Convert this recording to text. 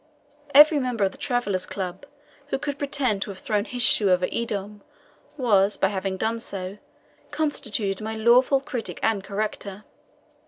Every member of the Travellers' Club who could pretend to have thrown his shoe over Edom was, by having done so, constituted my lawful critic and corrector.